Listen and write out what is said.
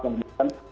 dan itu kan